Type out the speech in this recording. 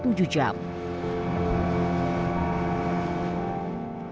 kampung aduai terletak di paling utara misol